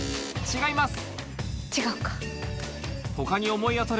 違います